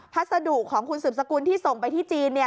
ทัศน์สะดุของคุณสืบสกุลที่ส่งไปที่จีนเนี่ย